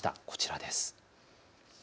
こちらです。